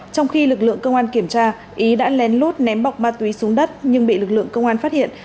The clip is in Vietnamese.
trong khi lực lượng công an kiểm tra ý đã lén lút ném bọc ma túy xuống đất nhưng bị lực lượng công an phát hiện